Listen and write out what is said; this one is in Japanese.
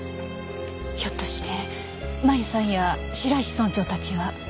ひょっとして麻由さんや白石村長たちは。